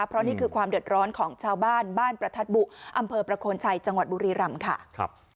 เพราะนี่คือความเดือดร้อนของชาวบ้านบ้านประทัดบุอำเภอประโคนชัยจังหวัดบุรีรำค่ะ